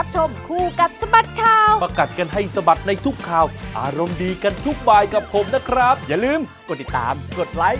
ใช่ไหมล่ะสดเลย